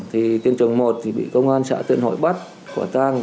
thì tiên trường một thì bị công an xã tuyên hội bắt khỏa tăng